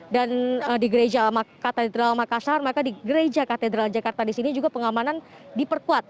dan di gereja katedral makassar maka di gereja katedral jakarta di sini juga pengamanan diperkuat